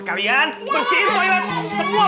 kalian bersihin toilet semua